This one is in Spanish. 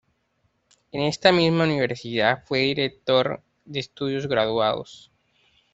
En esta misma universidad fue director de estudios graduados.